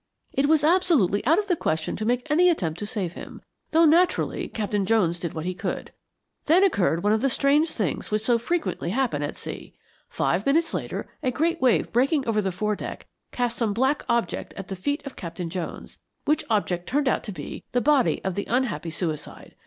It was absolutely out of the question to make any attempt to save him, though, naturally, Captain Jones did what he could. Then occurred one of the strange things which so frequently happen at sea. Five minutes later a great wave breaking over the foredeck cast some black object at the feet of Captain Jones, which object turned out to be the body of the unhappy suicide.